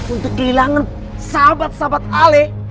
untuk kehilangan sahabat sahabat ale